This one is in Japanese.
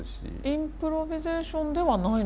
インプロビゼーションではないのかな？